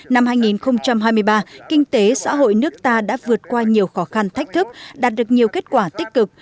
năm hai nghìn hai mươi ba kinh tế xã hội nước ta đã vượt qua nhiều khó khăn thách thức đạt được nhiều kết quả tích cực